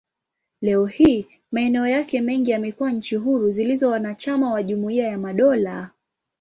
Leo hii, maeneo yake mengi yamekuwa nchi huru zilizo wanachama wa Jumuiya ya Madola.